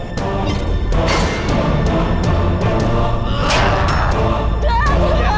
kau mau ngapain